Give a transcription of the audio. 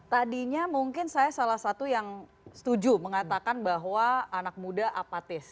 tadinya mungkin saya salah satu yang setuju mengatakan bahwa anak muda apatis